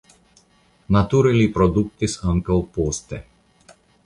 Nature li produktis ankaŭ poste.